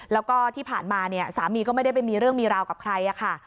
แล้วก็ที่ผ่านมาเนี่ยสามีก็ไม่ได้ไปมีเรื่องมีราวกับใครค่ะ